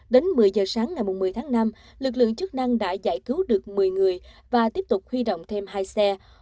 đến một mươi giờ sáng ngày một mươi tháng năm lực lượng chức năng đã giải cứu được một mươi người và tiếp tục huy động thêm hai xe